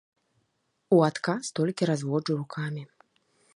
У адказ толькі разводжу рукамі.